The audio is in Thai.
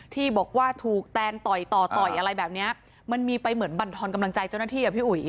ที่บอกว่าถูกแตนต่อยต่อต่อยอะไรแบบเนี้ยมันมีไปเหมือนบรรทอนกำลังใจเจ้าหน้าที่อ่ะพี่อุ๋ย